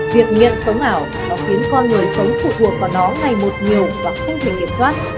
việc nghiện sống ảo nó khiến con người sống phụ thuộc vào nó ngày một nhiều và không thể kiểm soát